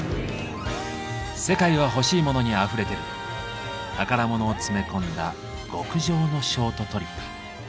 「世界はほしいモノにあふれてる」宝物を詰め込んだ極上のショートトリップ。